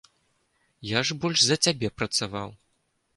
Я ж больш за цябе працаваў.